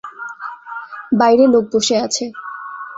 বাইরে লোক বসে আছে।